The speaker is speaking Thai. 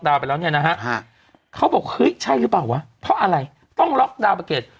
ตอบควิดช่อยหรอบอกว่ากลังขึ้น